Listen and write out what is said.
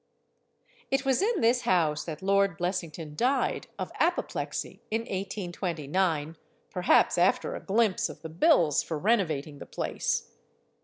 It was in this house that Lord Blessington died, of apoplexy, in 1829; perhaps after a glimpse of the bills for renovating the place.